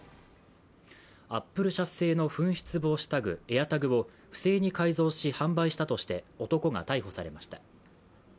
アップル社製の紛失防止タグ、ＡｉｒＴａｇを不正に改造し、販売したとして男が逮捕されました。